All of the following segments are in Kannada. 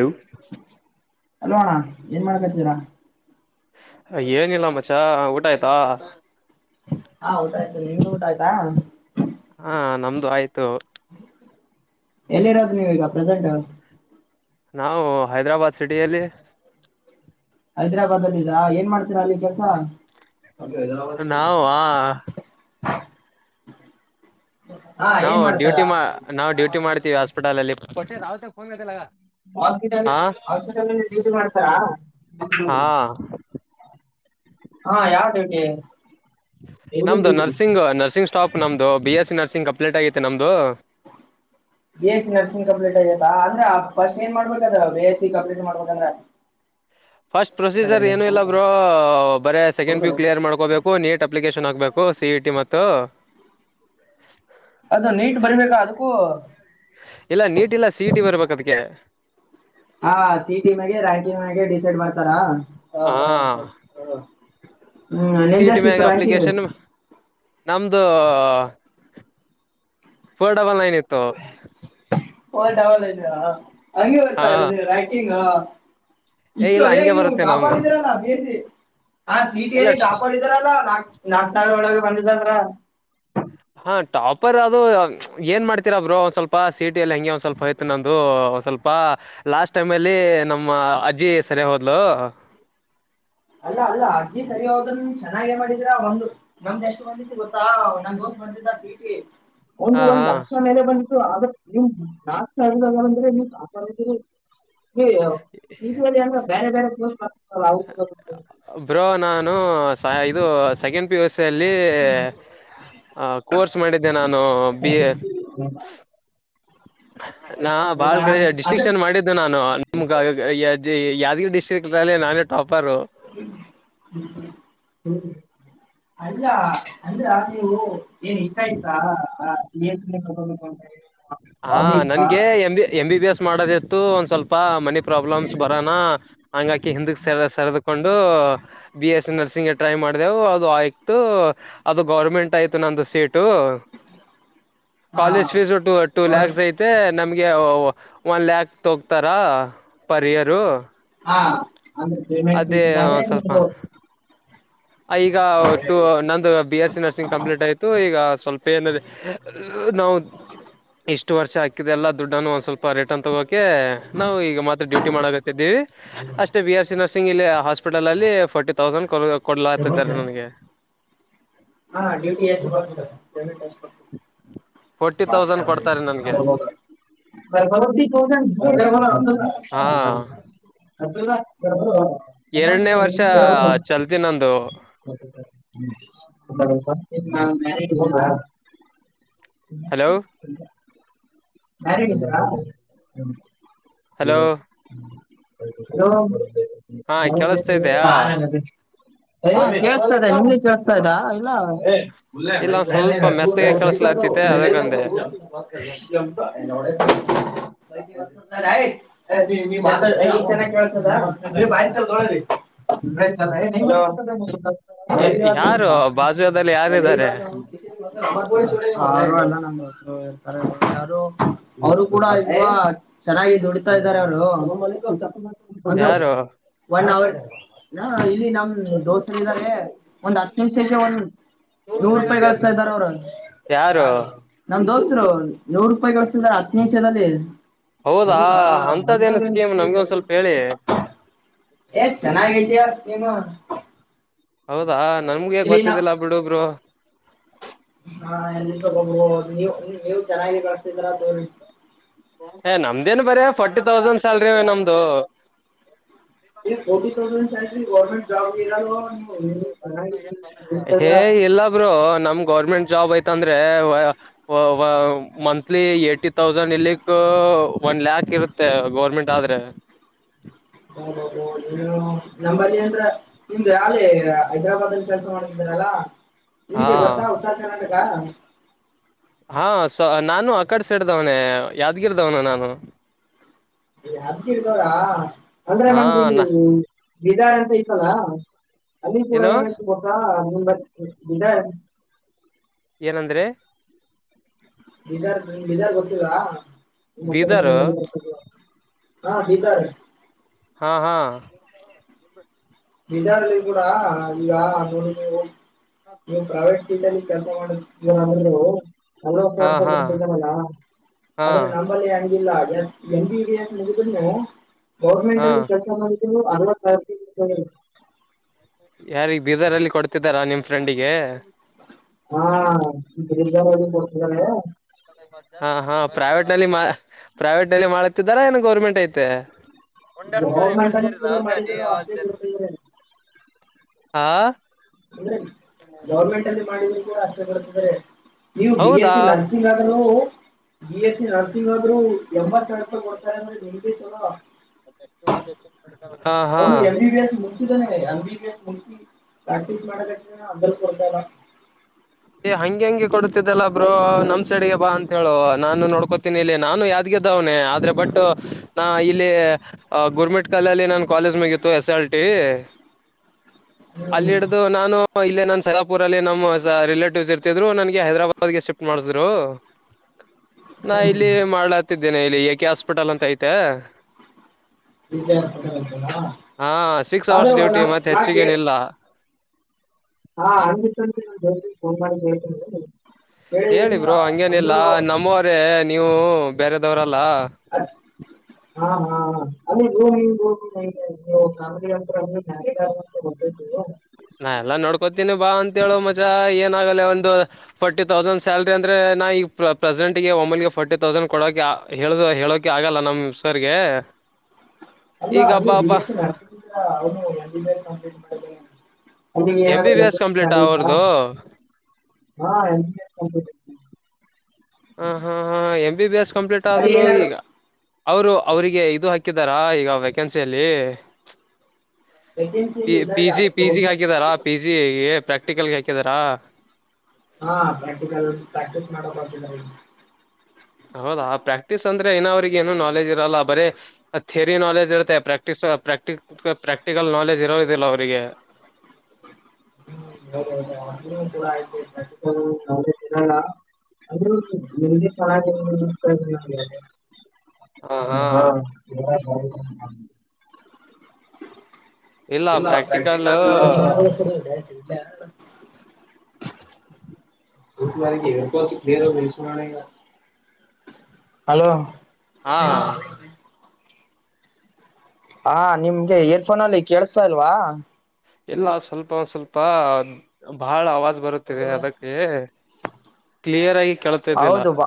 ಯವ [inaudible] ಅಲೋ ಅಣ್ಣ ಏನ್ ಮಾಡ್ಕತೀರಾ ಏನಿಲ್ಲ ಮ್ಮಚಾ ಊಟ ಆಯ್ತಾ ಹಾ ಊಟ ಆಯ್ತು ನೀಮ್ಮದ ಊಟ ಆಯ್ತಾ ಆಯತು ಎಲ್ಲಿರೋದು ನೀವೀಗ ಪ್ರೆಸೆಂಟ್ ನಾವು ಹೈದ್ರಾಬಾದ್ ಸಿಟಿಯಲ್ಲಿ ಹೈದ್ರಾಬಾದ್ ಅಲ್ಲ ಇದಿದ್ದಾ ಏನ್ ಮಾಡ್ತೀರಾ ಅಲ್ಲಿ ಕೆಲ್ಸ ನಾವ ಹಾ ಹಾ ನಾವು ಏನ್ ಡ್ಯೂಟಿ ಮಾಡ್ತಾರಾ ಮಾ ನಾವು ಡ್ಯೂಟಿ ಮಾಡ್ತೀವಿ ಹಾಸ್ಪಿಟಲ್ ಅಲ್ಲಿ ಹೊಟ್ಟೆ ರಾವತ ಫನ್ ಮಾಡಲ್ಲಗ ಹಾಸ್ಪಿಟಲ್ ಹಾಸ್ಪಿಟಲ್ ಡ್ಯೂಟಿ ಮಾಡ್ತಾರಾ ಹಾ ಹಾ ಯಾವ್ದೀ ನಮ್ದು ನರ್ಸಿಂಗ್ ನರ್ಸಿಂಗ್ ಸ್ಟಾಕ್ ನಮ್ದು ಇದು B S C nursing complete ಆಗೈತೆ ನಮ್ಮದು B S C nursing complete ಆಯತಾ ಅಂದ್ರೆ ಫಸ್ಟ್ ಏನ್ ಮಾಡ್ಬೇಕದ ಬಿ ಎಸ್ ಸಿ ಕಂಪ್ಲೀಟ್ ಮಾಡ್ಬೇಕಂದ್ರೆ ಫಸ್ಟ್ ಪ್ರೊಸೀಜರ್ ಏನು ಇಲ್ಲಬ್ರು ಬರೇ ಸೆಕೆಂಡ್ ಪ್ಯೂ ಕ್ಲಿಯರ್ ಮಾಡ್ಕೋಬೇಕು ನೀಟ್ ಅಪ್ಲಿಕೇಶನ್ ಹಾಕ್ಬೇಕು ಸಿ ಇಟಿ ಮ ಅದು ನೀಟ್ ಬರ್ಬೇಕಾ ಅದಕ್ಕೂ ಇಲ್ಲ ನೀಟ್ ಇಲ್ಲ ಸಿೀಟಿ ಬರ್ಬೇಕ ಅದಕ್ಕೆ ಹಾ ಸಿಟಿ ಮ ರ್ಯಾಂಕಿ್ ಡಿಸೈಡ್ ಮಾಡ್ತಾರಾ ಹಾ ಹ್ಮ್ ಸಿ ಇ ಟಿ ನಿಂದೆಷ್ಟ ಮ್ಯಾಗ ಇತ್ತು ರಂಕಿಂಗ್ ಅಪ್ಲಿಕೇಶನ್ ನಮ್ದು ಫೋರ್ ಡಬಲ್ ನೈನ್ ಇತ್ತು ಟಾವಲ್ಲಲ್ಲ ಹಂಗೆ ಬರ್ತಾ ಹಾ ರ್ಯಾಕಿಂಗ್ [inaudible] ಏ ಇಷ್ಟು ಇಲ್ಲ ಏಗ್ ಹಂಗೆ ನೀವು ಬರುತ್ತೆ ನಮ್ಮ ಟಾಪರ್ ಇದ್ದೀರಲ್ಲಾ ಬಿ ಎಸ್ ಸಿ ಹಾ ಸೀಟ್ ಎಲ್ಲ ಎಲ್ಲಿ ಟಾಪರ್ ಇದಾರಲ್ಲಾ ನಾ ನಾ ಸಾವಿರ ಒಳಗೆ ಬಂದಿದ್ದದ್ರ ಆಪರ್ ಅದು ಏನು ಮಾಡ್ತೀರಾ ಬರು ಒಂದು ಸ್ವಲ್ಪ ಸೀಟಿಯಲ್ಲಿ ಹಗೆ ಒಂದು ಸ್ವಲ್ಪ ಆಯ್ತು ನನ್ನದು ಒಂದು ಸ್ವಲ್ಪ ಲಾಸ್ಟ್ ಟೈಮಲ್ಲಿ ನಮ್ಮ ಅಜ್ಜಿ ಸರಿ ಹೋದ್ಲು ಅಲ್ಲ ಅಲ್ಲ ಅಜ್ಜಿ ಸರಿ ಹೋದನ್ ಚೆನ್ನಾಗೇ ಮಾಡಿದರ ಒಂದು್ ನಮ್ದ ಎಷ್ಟು ಬಂದತ್ತು ಗೊತ್ತಾ ನಮ್ ದೋಸ್ತ್ ಬಂದಿದ್ದ ಸೀಟಿ ಒಂದು ಹಾ ಒಂದ್ ಹಾ ಲಕ್ಷ ಮೇಲೆ ಬಂದು ಆದ ನೀ್ ಯಾಕ್ ಸಂದ್ರೆ ನೀ್ ಆತ ಹಲ್ಲಿ ಅಂದ್ರ ಬೇರೆ ಬೇರೆ ಹ [unintelligible] ಹ್ [unintelligible] ಬ್ರೋ ನಾನು ಇದು ಸೆಕೆಂಡ್ ವ್ಯಥಲ್ಲಿ ಕೋರ್ಸ್ [unintelligible] ಮಾಡಿದ್ದೇ ನ ನಾ ಬಿ ಎ [inaudible] ನಾ ಬಾಳ್ ಹೌದಾ ಕಡೆ ಅದಕ್ ಡಿಸ್ಟ್ರಿಂಕ್ಷನ್ ಮಾಡಿದ್ದು ನಾನು ನಮ್ಗ ಯಾದಗಿ ಡ್ಟ್ರಿಕ್ ನಾನೇ ಟಾಪ್ ಹ್ಮ [unintelligible] ಅಲ್ಲ ಅಂದ್ರ ನೀವು ಏನ್ ಇಷ್ಟ ಆಯ್ತಾ ಆ ಹಾ ಹಾಬಿ ಇತ್ತಾ ನನ್ಗೆ ಎ ಎಂ ಬಿ ಎಸ್ ಮಾಡೋದೇ ಒಂದ್ ಸ್ವಲ್ಪ ಮನೆ ಪ್ರಾಬ್ಲಮ್ಸ್ ಬರೋಣ ಹಂಗಾಕಿ ಹಿಂದ ಸ ಸರದಕೊಂಡು B S C nursing try ಮಾಡಿದೆವು ಅದು ಆಯ್ತು ಅದು ಗೌರ್ಮೆಂಟ್ ಆಯ್ತು ನಂದು ಸೀಟ್ ಸೀಟ್ ಹಾ ಕಾಲೇಜ್ ಫೀಸ್ ಟು ಲಾಕ್ಸ್ ಆಯ್ತೆ ನಮ್ಗೆ ಒನ್ ಲ್ಯಾಕ್ ತೋಗ್ತಾರ ಪರ್ ಇಯರ್ ಹಾ ಅಂದ್ರೆ ಗವರ್ನಮೆಂಟ್ ಸೀಟ್ ತಾನೇ ಸ್ವಲ್ಪ ನಿಂದು ಈಗ ಟು ನಂದು B S C nursing complete ಆಯ್ತು ಈಗ ಸ್ವಲ್ಪ ಏನ ನಾವು ಇಷ್ಟು ವರ್ಷ ಹಾಕಿದೆ ಅಲ್ಲ ದುಡ್ಡನ್ನು ಒಂದ್ ಸ್ವಲ್ಪ ಪರಿಟನ್ ತಗೋ ನಾವು ಈಗ ಮತ್ತೆ ಡ್ಯೂಟಿ ಮಾಡ ತಿದ್ವಿ ಅಷ್ಟೇ ಬಿ ಎಸ್ ಸಿ ನರ್ಸಿಂಗ್ ಇಲ್ಲಿ ಹಾಸ್ಪಿಟಲ್ ಅಲ್ಲಿ ಫೋರ್ಟಿ ತೌಸಂಡ್ ಕೊಡು ಕೊಡ್ಲ ಆತಿದ್ದಾರೆ ನನ್ಗೆ ಹಾ ಡ್ಯೂಟಿ ಎಷ್ಟು ಬರುತ್ತೆ ಫೋರ್ಟಿ ತೌಸಂಡ್ ಕೊಡ್ತಾರೆ ನನ್ಗೆ ಹಾ [inaudible] [inaudible] ಎರಡನೇ ವರ್ಷ ಚಾಲ್ತಿ ನಂದು [inaudible] ಹಲೋ ಹ್ಮ [inaudible] ಹಲೋ ಹ್ಮ ಹೇಳೋ ಹಾ ಕೆೇಳಸ್ತಾಯಿದಿಯ ಹ ಕೇಳ್ತಾಯಿದೆ ನಿಮ್ಗೆ ಕೇಳ್ಸ್ತಾ ಇದ್ದಾ ಇಲ್ಲ ಒಂದ್ ಸ್ವಲ್ಪ ಮೆತ್ತಗೆ ಕೇಳಸ್ಲಾತಿತೆ [inaudible] ಅದಕ್ಕಂದೆ ಈಗ ಚೆನ್ನಾಗಿ ಕಳಿಸ್ತಾದ ಯಾರು ಬಾಜುದಲ್ಲಿ [inaudible] ಯಾರಿದ್ದಾರೆ ನಮ್ಸ ಇರ್ತಾರೆ ಅವರು ಅವ್ರು ಕೂಡ ಇ ಚೆನ್ನಾಗಿ ದುಡಿತಾ ಇದಾರೆ ಅವರು ಒಂದು ಯಾರು ಒನ್ ಅವರ್ ಹ ಇಲ್ಲಿ ನಮ ದೋಸ್ರ ಇದಾರೆ ಒಂದ್ ಹತ್ತು ನಿಮಿಷಕ್ಕೆ ಒಂದ ನೂರು ರೂಪಾಯಿ ಕಳತಾ ಇದ್ದಾರ ಅವ್ರ ಯಾರು ನನ್ ದೋಸ್ರು ನೂರು ರೂಪಾಯಿ ಕಳಿಸ್ತಿದ ಹತ್ನ ಹೆಂಚದಲ್ಲಿ ಹೌದಾ ಅಂತದೇನು ಸ್ಕೀಮ್ ನಮಗೆ ಒಂದ್ ಸ್ವಲ್ಪ ಹೇಳಿ ಏ್ ಚೆನ್ನಾಗೈತಿಯ ನೀನು [inaudible] ಹೌದಾ ನಮಗೆ ಗೊತ್ತಿದ್ದಿಲ್ಲ ಬಿಡುಬ್ರು ಹಾ ಎಲ್ಲಿ ತಬ ನೀ ಇ ನೀವು ಚೆನ್ನಾಗಿ ಕಳಸ್ತಿದ್ರ ದನಿ ಏ ನಮ್ದೇನ್ ಬರ ಫೋರ್ಟಿ ತೌಸಂಡ್ ಸಲ್ರಿ ನಮ್ದು ಫರ್ಟಿ ೌಸಂಡ ಗವರ್ಮೆಟ್ ಜಬ ಇರ ಹೇ ಇಲ್ಲ ಬ್ರೋ ನಮ ಗೌರ್ಮೆಂಟ್ ಜಾಬ್ ಐತಂದ್ರೆ ಮಂತ್ಲಿ ಏ್ಟಿ ತೌಸಂಡ್ ಇಲ್ಲಿಕ್ ಒನ್ ಲ್ಯಾಕ್ ಇವ ಮತ್ತೆ ಗೌರ್ಮೆಂಟ್ ಆದ್ರೆ ಹ ಹದದು ನೀ ನಂಬಲ್ಲಿ ಅಂದ್ರ ನಿಮ್ದ ಯಾಲಿ ಹೈದ್ರಾಬಾದ್ ಅಲ್ಲಿ ಕೆಲಸ ಮಾಡ್ತಿದ್ದಾರಲ್ಲಾ ಹಾ ನಿಮ್ಗೆ ಗೊತ್ತಾ ಉದಾ ನಟಗ ಹಾ ಸ ನಾನು ಅ ಕಡ್ ಸೇಡ್ದವನ ಯಾದ್ಗಿರದವನು ನಾನು ಅಬ್್ದಿ ಇರ್ದವರಾ ಅಂದ್ರೆ ಹಾ ನ ನಮ್ದಲ್ಲಿ ಬಿದಾರ್ ಅಂತ ಇತಲ್ಲಾ ಅಲ್ಲಿ ಕೂಡ ಏನು ಏನಾಯ್ತ ಗೊತ್ತಾ ಎಂಬತ್ತು ಇ [unintelligible] ಏನಂದ್ರೆ ಬೀದಾರ್ ಬೀದಾರ್ ಗೊತ್ತಲ ಬೀದರ್ ಮತ್ತ ಹಾ ಬೀದಾರೆ ಹಾ ಹಾ ಬೀದರ್ ಅಲ್ಲಿ ಕೂಡ ಈಗ ನೋಡಿ ನೀವು ನೀವು ಪ್ರೈವೇಟ್ ಕೆಲಸ ಮಾಡ ಹಲವತ್ತು ಹಾ ಹಾ ಸಾವಸರ್ತತಾರಲ್ಲ ಹಾ ಆದ್ರೆ ನಮ್ಮಲ್ಲಿ ಹೆಂಗಿಲ್ಲ ಯಾಮ್ ಬಿ ಬಿಸ್ ಮೂಗುಧ್ರುನು ಗೌರ್ಮೆಂಟ್ ಹಾ ಅಲ್ಲಿ ಕಕೆಲಸ ಮಾಡ [unintelligible] ಹ್ಮ್ ಯಾರಿಗ್ ಬೀರ್ದರ್ಲ್ಲಿ ಕೊಡ್ತ ಹಾ ಬೀದರ್ ಅಲ್ಲಿ ಕೊಡ್ತಿದ್ರು ಹಾ ಹಾ ಪ್ರೈವೇಟ್ ನಲ್ಲಿ ಪ್ರೈವೇಟ್ ನಲ್ಲಿ ಮಾಡತಿದ್ದಾರ ಏನ ಗೌರ್ಮೆಂಟ್ ಐತೆ ಗೌರ್ಮೆಂಟ್ ಅ ಕೂಡ ಮಾಡಿದರ ಅಷ್ಟೇ ಕೊಡ್ತ್ರೇ ಹಾ ಅಂದ್ರೆ ಗೌರ್ಮೆಂಟ್ ಅಲ್ಲಿ ಮಾಡಿದ ಅಷ್ಟೇ ಬರುತ್ತೆ ನೀವು ಬಿ ಹೌದಾ ಎಸ್ಸಿ ನರ್ಸಿಂಗ್ ಆದ್ರೂನು ಬಿ ಎಸ್ಸಿ ನರ್ಸಿಂಗ್ ಆದ್ರು ಎಂಬತ್ ಸಾವಿರ ರೂಪಾಯಿ ಕೊಡ್ತಾರೆ ಅಂದ್ರೆ ನಿಮ್ದೇ ಚಲೋ [unintelligible] ಹಾ ಅವನು ಎಂ ಬಿ ಬಿ ಎಸ್ [unintelligible] ಏ ಹಂಗೆ ಹೆಂಗಗೆ ಕೊಡತಿದ್ದಲ್ಲ ಬ್ರೋ ನಮ್ ಸೈಡ್ಗೆ ಬಾ ಅಂತ ಹೇಳು ನಾನು ನೋಡ್ಕೋತೀನಿ ಇಲ್ಲಿ ನಾನು ಯಾದ್ಗೀದವ್ನೇ ಆದ್ರೆ ಬಟ್ ನಾ ಇಲ್ಲಿ ಗೋರ್ಮೆಂಟ್ ಕಾಲಲ್ಲಿ ನಾನ ಕಾಲೇಜ್ ಮಗಿತ್ತು ಎಸ್ ಎಲ್ ಟಿ ಹ್ಮ್ ಅಲ್ಲಿ ಹಿಡ್ದು ನಾನು ಇಲ್ಲ ನ ಸಲಾಪುರ್ ಅಲ್ಲಿ ನಮ್ಮ್ ರಿಲೇಟ್ ಸ ಇರ್ತಿದ್ರು ನನ್ಗೆ ಹೈದರಾಬಾದ್ ಗೆ ಶಿಫ್ಟ್ ಮಾಡಸಿದ್ರು ನಾ ಹ್ಮ್ ಇಲ್ಲಿ ಮಾಡ್ಲಾತಿದ್ದೇನೆ ಇಲ್ಲಿ ಏ ಕೆ ಹಾಸ್ಪಿಟಲ್ ಅಂತ ಐತೆ ಹಾ ಸಿಕ್ಸ್ ಅವರ್ಸ್ ಡ್ಯೂಟಿ ಮತ್ತೆ ಹೆಚ್ಚಿಗೇನಿಲ್ಲ [unintelligible] ಹಾ [unintelligible] ಕೇಳಿ ಹೇಳಿ ಹೇಳ್ತೀನಿ ಬ್ರೋ ಹಂಗೇನಿಲ್ಲ ಅಂದ್ರು ನಮ್ಮವರೇ ನೀವು ಬೇರೆದವರ ಅಲ್ಲಾ ಹಾ ಹಾ ಅಲ್ಲಿ ನೀವು ಫ್ಯಾಮಿಲಿ ಅಂದಬೇಕ ಬೇರೆ ಯಾರು ಗೊತ್ತಿದೆ ನಾ ಎಲ್ಲ ನೋಡ್ಕೋತೀನಿ ಬಾ ಅಂತೇಳು ಮಚ್ಚ ಏನಾಗಲ್ಲ ಒಂದು ಫೋರ್ಟಿ ತೌಸಂಡ್ ಸ್ಯಾಲ್ರಿ ಅಂದ್ರೆ ನಾ ಈಗ ಪ್ರೆಸೆಂಟ್ಗೆ ಒಮ್ಮಲ್ಗೆ ಫೋರ್ಟಿ ತೌಸಂಡ್ ಕೊಡೋಕ ಹೇಳ ಹೇಳೋಕ ಆಗಲ್ಲ ನಮ್ಮ ಸರ್ಗೆ ಅಲ್ಲ ಈಗ ಹಬ್ಬ ಬಿ ಹಬ್ಬ ಎಸ್ಸಿ ನರ್ಸಿಂಗ್ ಅವ M [unintelligible] M B B S complete ಅವ್ರದು [unintelligible] ಹಾ ಹಾ ಹಾ M B B S complete ಅಲ್ಲಿ ಆದ್ರೂ ಏನಾದ್ರು ಈಗ ಅವರು ಅವ್ರಿಗೆ ಇದು ಹಾಕಿದಾರಾ ಈಗ ವೆಕೆನ್ಸಿಯಲ್ಲಿ ವೇಕೆನ್ಸಿ ಪ ಇಲ್ಲಿ ಪಿ ಇದ್ದಾರೆ ಜಿ ಅದು ಪಿ ಜಿ ಗೌರ್ಮೆಂಟ್ ಹಾಕಿದಾರಾ ಪಿ ಜಿ ಗೆ ಪ್ರಾಕ್ಟಿಕಲ್ಗೆ ಹಾಕಿದಾರಾ ಹಾ ಪ್ರಾಕ್ಟೀಕಲ್ ಪ್ರಾಕ್ಟೀಸ್ ಮಾಡ ಇನ್ನು ಐತಿ ಹೌದಾ ಪ್ರಾಕ್ಟೀಸ್ ಅಂದ್ರೆ ಇನ ಅವ್ರಗ ಏನು ನಾಲೆಜ್ ಇರಲ್ಲ ಬರೇ ಥೇರಿ ನಾಲೆಜ್ ಇರತ್ತೆ ಪ್ರಾಕ್ಟೀಸ್ ಪ್ರಾಕ್ಟಿಕ್ ಪ್ರಾಕ್ಟಿಕಲ್ ನಾಲೆಜ್ ಇರೋದಿಲ್ಲ ಅವ್ರಿಗೆ ಹೌದ ಚಲೋ ಆಯಿತು ಪ್ರಾಕ್ಟೀಕೇಲಿ ನಾಲೆಜ್ ಇರಲ್ಲ ಅಂದ್ರು [inaudible] ಹಾ ಚಲೋ ಅಯಿತು ಹೌದು ಇಲ್ಲ ಪ್ರಾಕ್ಟೀಸ್ ಆದ ಹೇಳ್ [inaudible] [inaudible] ಹಲೋ ಹಾ ಹಾ ನಿಮ್ಗೆ ಏರ್ಫೋನಲ್ಲಿ ಕೇಳ್ಸ್ತಾ ಇಲ್ವಾ ಎಲ್ಲ ಸ್ವಲ್ಪ ಸ್ವಲ್ಪ ಬಹಳ ಅವಾಜ್ ಬರುತ್ತಿದೆ ಅದಕ್ಕೆ ಕ್ಲಿಯರ್ ಆಗಿ ಕೇಳ್ತಿದ್ದಿಲ್ಲ ಹೌದು ಬಾ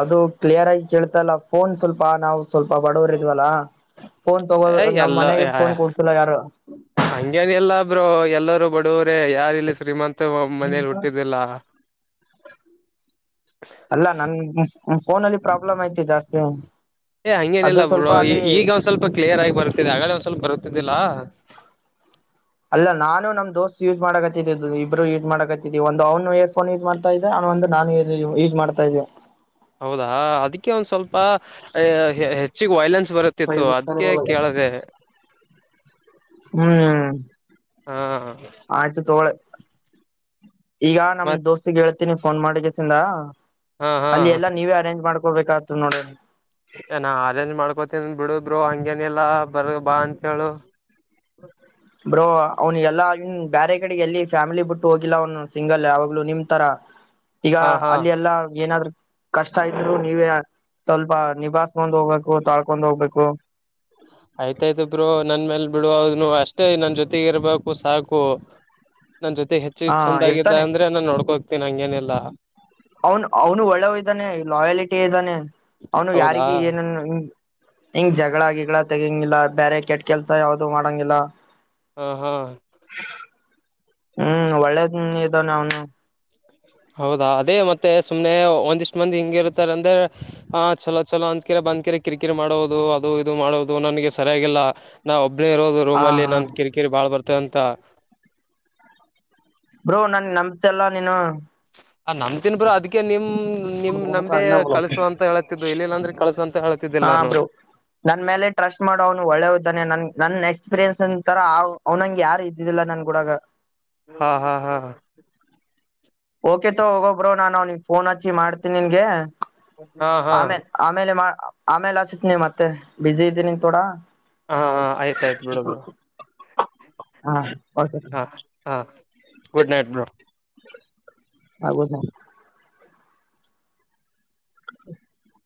ಅದು ಕ್ಲಿಯರ್ ಆಗಿ ಕೇಳ್ತಿಲ್ಲ ಫೋನ್ ಸ್ವಲ್ಪ ನಾವು ಸ್ವಲ್ಪ ಬಡವರ ಇದ್ವಲ್ಲಾ ಫೋನ್ ತಗೋದು ನಮ್ಮ ಎಲ್ಲ ಮನೆಗೆ ಹಂಗೇನ ಎಲ್ಲ ಫೋನ್ ಕೊಡ್ಸಿಲ್ಲ ಯಾರು ಹಂಗೇನಿಲ್ಲ ಇಲ್ಲ ಬ್ರೋ ಎಲ್ಲರೂ ಬಡವರು ಯಾರಲ್ಲಿ ಶ್ರೀಮಂತ ಮನೇಲಿ ಹುಟ್ಟಿದ್ದಿಲ್ಲ ಅಲ್ಲ ನನ್ ಫೋನ್ ಅಲ್ಲಿ ಪ್ರಾಬ್ಲಮ್ ಐತಿ ಜಾಸ್ತಿ ಏ ಅದು ಹಂಗೇನಿಲ್ಲ ಬ್ರೋ ಸ್ವಲ್ಪ ಈ ಅಲ್ಲಿ ಈಗ ಒಂದ್ ಸ್ವಲ್ಪ ಕ್ಲಿಯರ್ ಆಗಿ ಬರುತ್ತತಿದೆ ಆಗಳೇ ಒಂದ್ ಸ್ವಲ್ಪ ಬರುತ ಇದಲ್ಲಾ ಇಲ್ಲ ನಾನು ನಮ್ ದೋಸ್ತ್ ಯೂಸ್ ಮಾಡಕತ್ತಿದ್ದು ಇಬ್ಬರು ಯೂಸ್ ಮಾಡಕತ್ತಿದೀವಿ ಒಂದು ಅವ್ನುಏರ್ಫೋನ್ ಯೂಸ್ ಮಾಡ್ತ ಇದ್ದೆ ಅವ ಒಂದು ನಾನು ಯ ಯೂಸ್ ಮಾಡ್ತ ಇದ್ವಿ ಹೌದಾ ಅದಕ್ಕೆ ಒಂದ್ ಸ್ವಲ್ಪ ಹೆಚ್ಚಿಗೆ ವೈಲೆನ್ಸ್ ಬರುತ್ತಿತ್ತು ಹ್ಮ್ ಅದಕ್ಕೆ ಕೇಳದೆ ಹಾ ಆಚೆ ತಕೊಳ್ಳಿ ಈಗ ನಮ್ ಮತ್ ದೋಸ್ತಗೆ ಫೋನ್ ಮಾಡಿಸಿಂದ ಹಾ ಹಾ ಅಲ್ಲಿ ಎಲ್ಲಾ ನೀವೇ ಅರೇಂಜ್ ಮಾಡ್ಕ ಮಾಡ್ಕೋಬೇಕಾತು ನೋಡಿ ಹೇ ನಾನ್ ಅರೇಂಜ್ ಮಾಡ್ಕೋ ತಿನ್ ಬಿಡು ಬ್ರೋ ಹಂಗೇನಿಲ್ಲಾ ಬರೀ ಬಾ ಅಂತ ಹೇಳು ಬ್ರೋ ಅವ್ನು ಎಲ್ಲಾ ಇವನ್ ಬೇರೆ ಕಡೆ ಎಲ್ಲಿ ಫ್ಯಾಮಿಲಿ ಬಿಟ್ಟು ಹೋಗಿಲ್ಲ ಅವನು ಸಿಂಗಲ್ ಅವಾಗ್ಲೂ ನಿಮ್ಮತರ ಈಗ ಹಾ ಹಾ ಅಲ್ಲಿ ಎಲ್ಲ ಏನಾದ್ರು ಕಷ್ಟ ಇದ್ರು ನೀವೇ ಸ್ವಲ್ಪ ನಿಭಾಯ್ಕೊಂಡ್ ಹೋಗ್ಬೇಕು ತಾಳ್ಕೊಂಡ್ ಹೋಗ್ಬೇಕು ಆಯ್ತಾಯ್ತ ಬ್ರೋ ನನ್ ಮೇಲ್ ಬಿಡು ಅವ್ನು ಅಷ್ಟೇ ನನ್ ಜೊತೆಗಿರ್ಬೇಕು ಸಾಕು ನನ್ ಜೊತೆ ಹೆಚ್ಚು ಹ ಚಂದಾಗಿದ್ದ ಇರ್ತಾನೆ ಅಂದ್ರೆ ನಾನ್ ನೋಡ್ಕೋತ್ ತೀನ್ ಹಂಗೇನೆಲ್ಲಾ ಅವನು ಅವನು ಒಳ್ಳವ್ ಇದ್ದಾನೆ ಲಾಯಾಲಟಿ ಇದಾನೆ ಅವನು ಹೌದಾ ಯಾರಿಗ ಏನಂಗ ಹಿಂಗ್ ಜಗಳ ಗಿಗಳ ತೆಗಿಂಗಿಲ್ಲ ಬೇರೆ ಕೆಟ್ಟ ಕೆಲ್ಸ ಯಾವ್ದೂ ಮಾಡಂಗಿಲ್ಲ ಹಾ ಹಾ ಹ್ಮ್ ಒಳ್ಳೇದ್ ಇದಾನೆ ಅವ್ನು ಹೌದಾ ಅದೇ ಮತ್ತೆ ಸುಮ್ನೆ ಒಂದಿಷ್ಟ್ ಮಂದಿ ಹಿಂಗ ಇರ್ತಾರೆ ಅಂದ್ರೆ ಆ ಚಲೋ ಚಲೋ ಅಂದಕಿರ ಬಂದ್ಕಿರ ಕಿರಿಕಿರಿ ಮಾಡೋದು ಅದು ಇದು ಮಾಡೋದು ನನ್ಗೆ ಸರಿಯಾಗಿಲ್ಲ ನಾವು ಒಬ್ನೇ ಇರೋದು ಹ ರೂಮಲ್ಲಿ ಹಾ ನಂಗ್ ಕಿರಿಕಿರಿ ಬಾಳ ಬರ್ತ ಅಂತ ತ್ತ ಬ್ರೋ ನನ್ ನಂಬತೆಲ್ಲ ನೀನು ಆ ನಂಬ್ತೀನ್ ಬ್ರೋ ಅದಕ್ಕೆ ನಿಮ್ ನಿಮ್ ನಿಮ್ ನಂಬೆ ಅನ್ನ ಬಲ ಕಳ್ಸು ಅಂತ ಹೇಳತಿದ್ದು ಇಲ್ಲಿಲ್ಲ ಅಂದ್ರೆ ಕಳ್ಸಂತ ಹಾ ಬ್ರೋ ನನ್ ಮೇಲೆ ಟ್ರಸ್ಟ್ ಮಾಡು ಅವನು ಒಳ್ಳೆವಿದ್ದಾನೆ ನನ್ ನನ್ನ ಎಕ್ಸ್ಪೀರಿಯನ್ಸ್ ತರ ಅವ್ನಂಗ ಯಾರು ಇದ್ದಿದ್ದಿಲ್ಲಾ ನನ್ಗೂಡಗ ಹಾ ಹಾ ಹಾ ಓಕೆತೋ ಹೋಗೊಬ್ರೋ ನಾನು ಅವ್ನಿಗ್ ಫೋನ್ ಹಚ್ಚಿ ಮಾಡ್ತೀನಿ ನಿನ್ಗೆ ಹಾ ಹಾ ಆಮೇಲ್ ಆಮೇಲೆ ಮಾ ಆಮೇಲೆ ಹಚ್ಚ್ತ್ನಿ ಮತ್ತೆ ಬಿಜಿ ಇದ್ದೀನಿ ತೋಡ ಹಾ ಹಾ ಆಯ್ತ್ ಆಯ್ತು ಬಿಡು ಬ್ರೋ ಹಾ ಓಕೆ ಹಾ ಹಾ ಗುಡ್ ನೈಟ್ ಬ್ರೋ ಆಗುದ್ನಾ [inaudible]